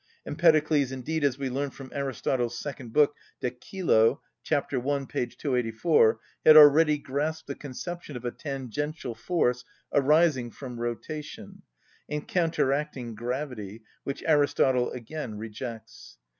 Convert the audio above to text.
Empedocles indeed, as we learn from Aristotle's second book, De cœlo (c. 1, p. 284), had already grasped the conception of a tangential force arising from rotation, and counteracting gravity, which Aristotle again rejects.